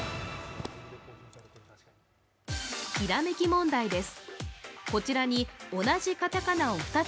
ひらめき問題です。